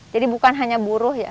jadi bukan hanya buruh ya